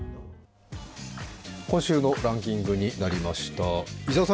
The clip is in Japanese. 今週のランキングになりました。